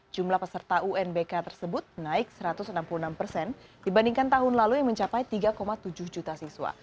jumlah peserta unbk tersebut naik satu ratus enam puluh enam persen dibandingkan tahun lalu yang mencapai tiga tujuh juta siswa